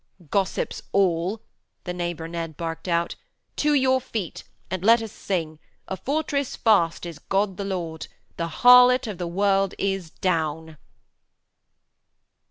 'Gossips all,' the Neighbour Ned barked out, 'to your feet and let us sing: "A fortress fast is God the Lord." The harlot of the world is down.'